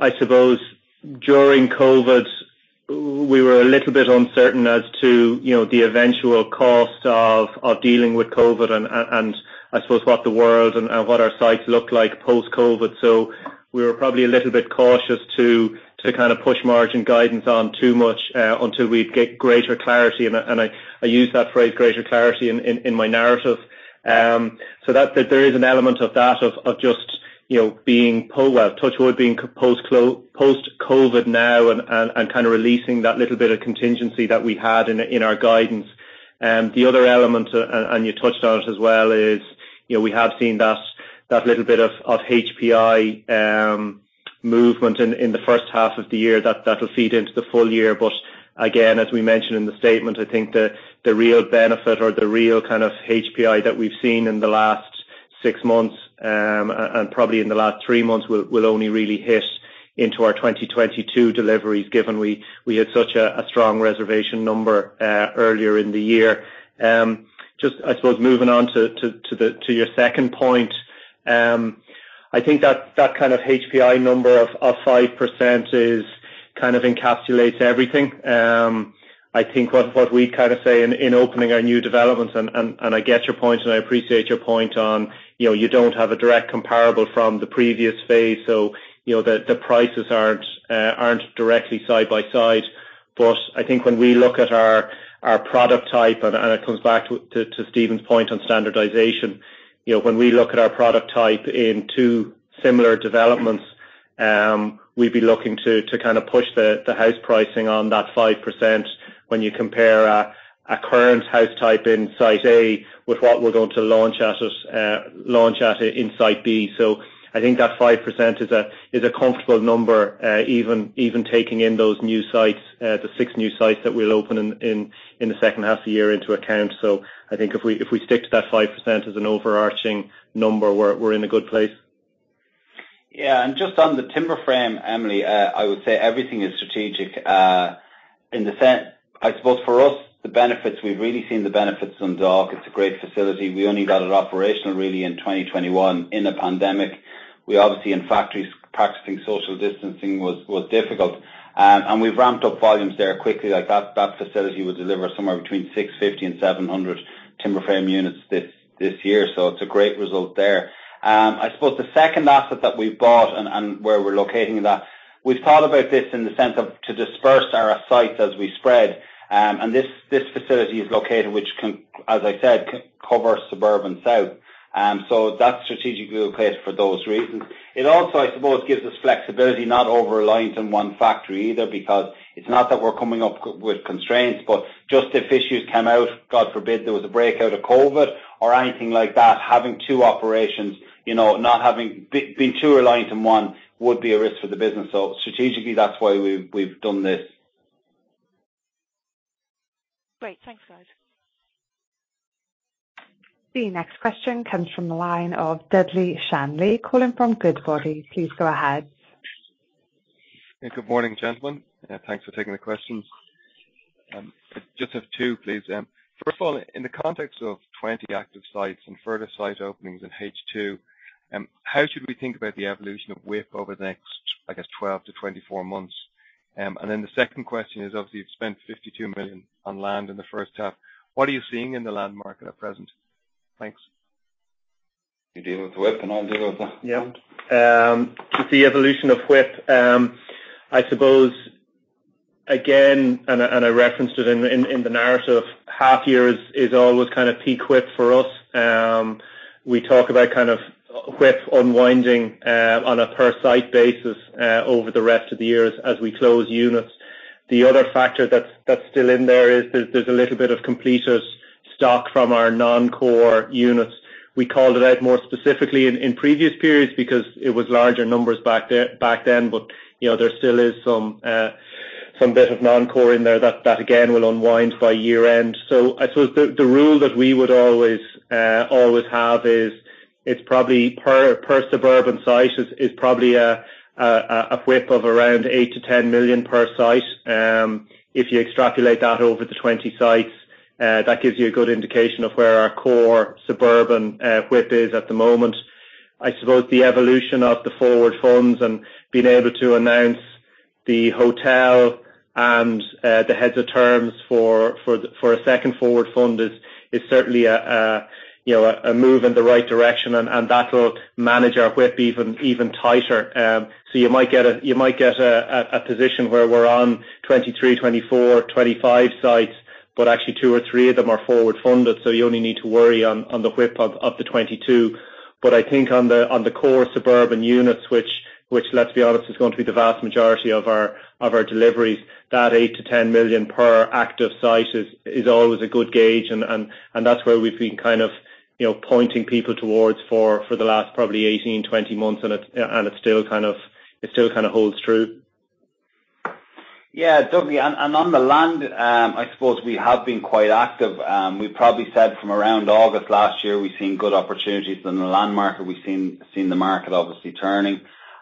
I suppose during COVID, we were a little bit uncertain as to the eventual cost of dealing with COVID and I suppose what the world and what our sites look like post-COVID. We were probably a little bit cautious to kind of push margin guidance on too much until we'd get greater clarity. I use that phrase, greater clarity, in my narrative. There is an element of that, of just being, well, touch wood, being post-COVID now and kind of releasing that little bit of contingency that we had in our guidance. The other element, and you touched on it as well, is we have seen that little bit of HPI movement in the H1 of the year. That'll feed into the full year. Again, as we mentioned in the statement, I think the real benefit or the real kind of HPI that we've seen in the last six months, and probably in the last three months, will only really hit into our 2022 deliveries, given we had such a strong reservation number earlier in the year. Just, I suppose, moving on to your second point. I think that kind of HPI number of 5% kind of encapsulates everything. I think what we kind of say in opening our new developments, and I get your point and I appreciate your point on you don't have a direct comparable from the previous phase, so the prices aren't directly side by side. I think when we look at our product type, and it comes back to Stephen's point on standardization. When we look at our product type in two similar developments. We'd be looking to kind of push the house pricing on that 5%, when you compare a current house type in site A with what we're going to launch at in site B. I think that 5% is a comfortable number, even taking in those new sites, the six new sites that we'll open in the H2 of the year into account. I think if we stick to that 5% as an overarching number, we're in a good place. Just on the timber frame, Emily, I would say everything is strategic. I suppose, for us, the benefits, we've really seen the benefits from Dundalk. It's a great facility. We only got it operational really in 2021 in a pandemic. We obviously, in factories, practicing social distancing was difficult. We've ramped up volumes there quickly, like that facility will deliver somewhere between 650 and 700 timber frame units this year. It's a great result there. I suppose the second asset that we've bought and where we're locating that, we've thought about this in the sense of to disperse our sites as we spread. This facility is located, which, as I said, covers suburban south. That's strategically well-placed for those reasons. It also, I suppose, gives us flexibility, not over-reliant on one factory either, because it's not that we're coming up with constraints, but just if issues come out, God forbid, there was a breakout of COVID or anything like that, having two operations, being too reliant on one would be a risk for the business. Strategically, that's why we've done this. Great. Thanks, guys. The next question comes from the line of Dudley Shanley, calling from Goodbody. Please go ahead. Good morning, gentlemen. Thanks for taking the questions. Just have two, please. First of all, in the context of 20 active sites and further site openings in H2, how should we think about the evolution of WIP over the next, I guess, 12-24 months? The second question is, obviously, you've spent 52 million on land in the first half. What are you seeing in the land market at present? Thanks. You deal with the WIP, and I'll deal with the land. The evolution of WIP, I suppose, again, and I referenced it in the narrative, half year is always kind of peak WIP for us. We talk about kind of WIP unwinding on a per site basis over the rest of the years as we close units. The other factor that's still in there is there's a little bit of completers stock from our non-core units. We called it out more specifically in previous periods because it was larger numbers back then, but there still is some bit of non-core in there that, again, will unwind by year-end. I suppose the rule that we would always have is it's probably per suburban site is probably a WIP of around 8 million-10 million per site. If you extrapolate that over the 20 sites, that gives you a good indication of where our core suburban WIP is at the moment. I suppose the evolution of the forward funds and being able to announce the hotel and the heads of terms for a second forward fund is certainly a move in the right direction, and that'll manage our WIP even tighter. You might get a position where we're on 23, 24, 25 sites, but actually two or three of them are forward funded, so you only need to worry on the WIP of the 22. I think on the core suburban units, which let's be honest, is going to be the vast majority of our deliveries, that 8-10 million per active site is always a good gauge, and that's where we've been kind of pointing people towards for the last probably 18, 20 months, and it still kind of holds true. Dudley, on the land, I suppose we have been quite active. We probably said from around August last year, we've seen good opportunities in the land market. We've seen the market obviously turning.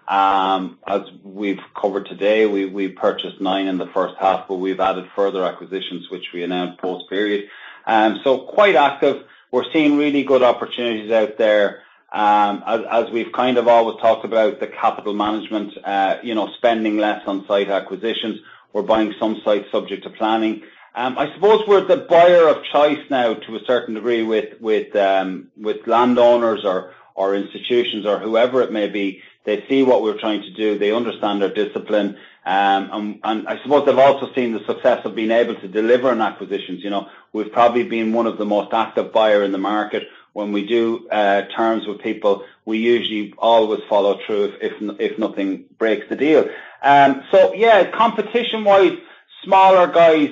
As we've covered today, we purchased ninr in the H1. We've added further acquisitions, which we announced post period. Quite active. We're seeing really good opportunities out there. As we've kind of always talked about the capital management, spending less on site acquisitions. We're buying some sites subject to planning. I suppose we're the buyer of choice now to a certain degree with landowners or institutions or whoever it may be. They see what we're trying to do. They understand our discipline. I suppose they've also seen the success of being able to deliver on acquisitions. We've probably been one of the most active buyer in the market. When we do terms with people, we usually always follow through if nothing breaks the deal. Yeah, competition-wise, smaller guys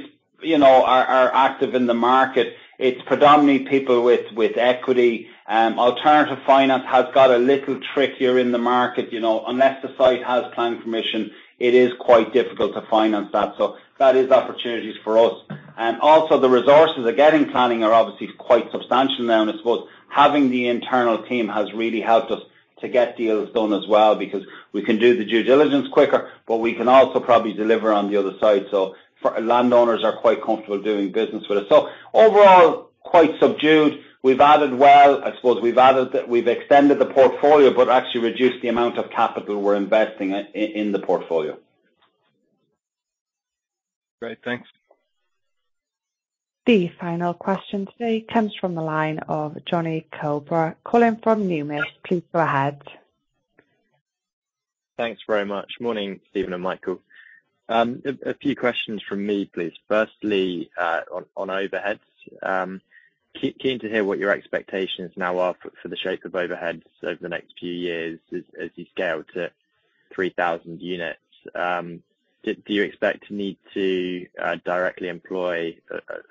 are active in the market. It's predominantly people with equity. Alternative finance has got a little trickier in the market. Unless the site has planning permission, it is quite difficult to finance that. That is opportunities for us. Also the resources of getting planning are obviously quite substantial now. I suppose having the internal team has really helped us to get deals done as well, because we can do the due diligence quicker, but we can also probably deliver on the other side. Landowners are quite comfortable doing business with us. Overall, quite subdued. We've added well. I suppose we've extended the portfolio, but actually reduced the amount of capital we're investing in the portfolio. Great. Thanks. The final question today comes from the line of Jonny Coubrough, calling from Numis. Please go ahead. Thanks very much. Morning, Stephen and Michael. A few questions from me, please. Firstly, on overheads. Keen to hear what your expectations now are for the shape of overheads over the next few years as you scale to 3,000 units. Do you expect to need to directly employ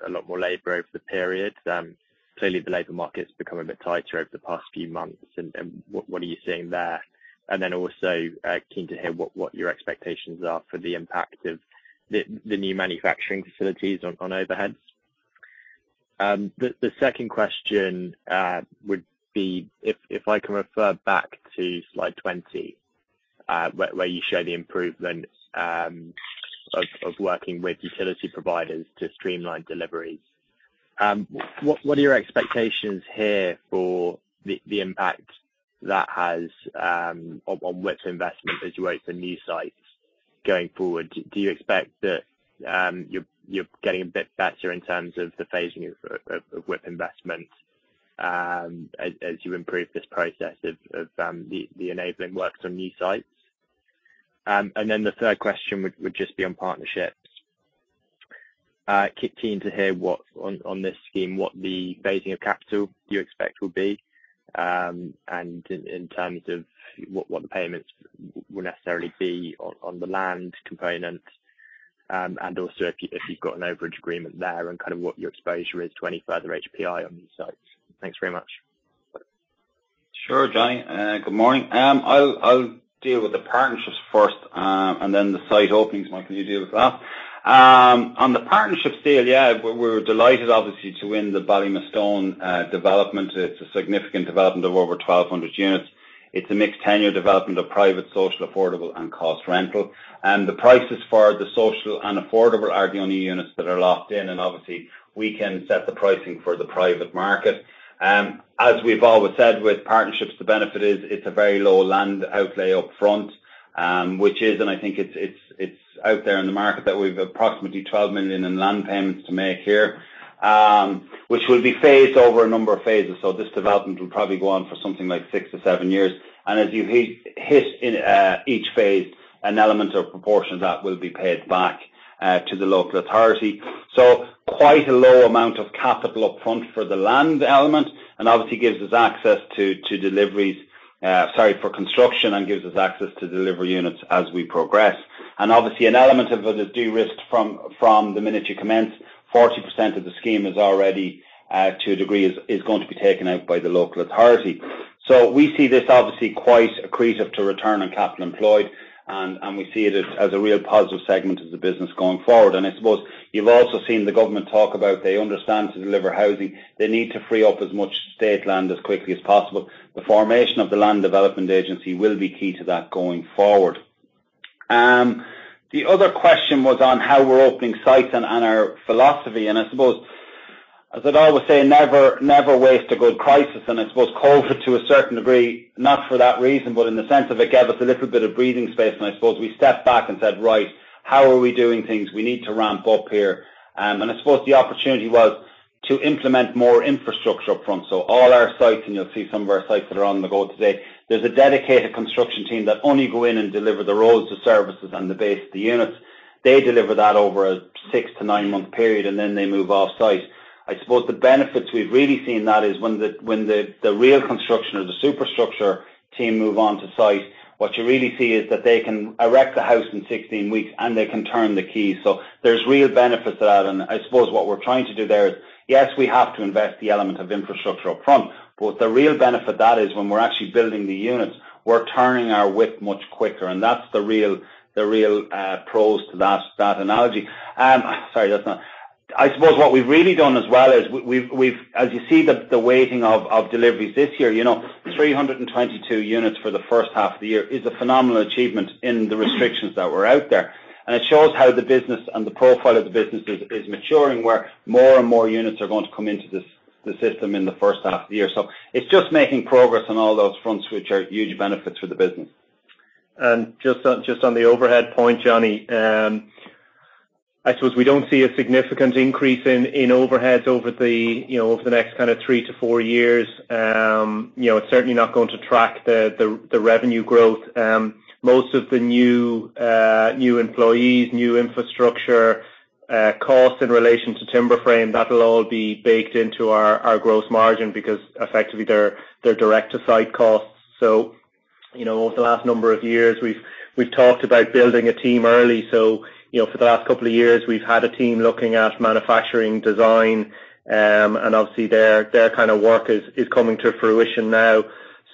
a lot more labor over the period? Clearly, the labor market's become a bit tighter over the past few months. What are you seeing there? Also, keen to hear what your expectations are for the impact of the new manufacturing facilities on overheads. The second question would be, if I can refer back to slide 20, where you show the improvement of working with utility providers to streamline deliveries. What are your expectations here for the impact that has on WIP investment as you open new sites going forward? Do you expect that you're getting a bit better in terms of the phasing of WIP investment as you improve this process of the enabling works on new sites? The third question would just be on partnerships. Keen to hear, on this scheme, what the phasing of capital you expect will be, and in terms of what the payments will necessarily be on the land component. Also, if you've got an overage agreement there and kind of what your exposure is to any further HPI on these sites. Thanks very much. Sure, Johnny. Good morning. I'll deal with the partnerships first, then the site openings Michael, you deal with that. On the partnerships deal, yeah, we're delighted obviously to win the Ballymastone development. It's a significant development of over 1,200 units. It's a mixed tenure development of private, social, affordable, and Cost Rental. The prices for the social and affordable are the only units that are locked in, and obviously, we can set the pricing for the private market. As we've always said with partnerships, the benefit is it's a very low land outlay up front, which is, and I think it's out there in the market that we've approximately 12 million in land payments to make here, which will be phased over a number of phases. This development will probably go on for something like 6-7 years. As you hit each phase, an element or proportion of that will be paid back to the local authority. Quite a low amount of capital up front for the land element, and obviously gives us access to, sorry, for construction, and gives us access to delivery units as we progress. Obviously, an element of the de-risk from the minute you commence, 40% of the scheme is already, to a degree, is going to be taken out by the local authority. We see this obviously quite accretive to return on capital employed, and we see it as a real positive segment of the business going forward. I suppose you've also seen the government talk about they understand to deliver housing, they need to free up as much state land as quickly as possible. The formation of the Land Development Agency will be key to that going forward. The other question was on how we're opening sites and our philosophy, and I suppose as I'd always say, never waste a good crisis. I suppose COVID, to a certain degree, not for that reason, but in the sense of it gave us a little bit of breathing space, and I suppose we stepped back and said, "Right, how are we doing things? We need to ramp up here." I suppose the opportunity was to implement more infrastructure up front. All our sites, and you'll see some of our sites that are on the go today, there's a dedicated construction team that only go in and deliver the roads, the services, and the base of the units. They deliver that over a six to nine-month period, and then they move off-site. I suppose the benefits we've really seen in that is when the real construction or the superstructure team move on to site, what you really see is that they can erect the house in 16 weeks, and they can turn the keys. There's real benefits to that, and I suppose what we're trying to do there is, yes, we have to invest the element of infrastructure up front, but the real benefit that is when we're actually building the units, we're turning our WIP much quicker, and that's the real pros to that analogy. Sorry, that's not. I suppose what we've really done as well is, as you see the weighting of deliveries this year, 322 units for the H1 of the year is a phenomenal achievement in the restrictions that were out there. It shows how the business and the profile of the business is maturing, where more and more units are going to come into the system in the first half of the year. It's just making progress on all those fronts, which are huge benefits for the business. Just on the overhead point, Johnny. I suppose we don't see a significant increase in overheads over the next kind of 3-4 years. It's certainly not going to track the revenue growth. Most of the new employees, new infrastructure, costs in relation to timber frame, that'll all be baked into our gross margin because effectively they're direct to site costs. Over the last number of years, we've talked about building a team early, so for the last couple of years, we've had a team looking at manufacturing design, and obviously their kind of work is coming to fruition now.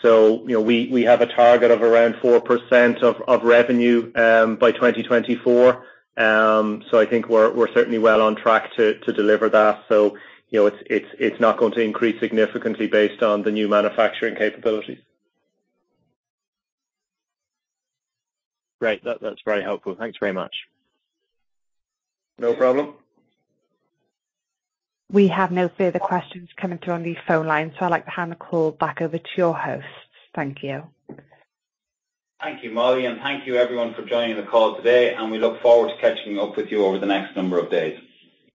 We have a target of around 4% of revenue by 2024. I think we're certainly well on track to deliver that. It's not going to increase significantly based on the new manufacturing capabilities. Great. That's very helpful. Thanks very much. No problem. We have no further questions coming through on the phone lines, so I'd like to hand the call back over to your hosts. Thank you. Thank you, Molly, and thank you everyone for joining the call today, and we look forward to catching up with you over the next number of days.